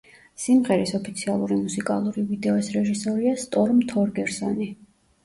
სიმღერის ოფიციალური მუსიკალური ვიდეოს რეჟისორია სტორმ თორგერსონი.